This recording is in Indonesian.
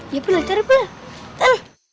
ya pula cari pula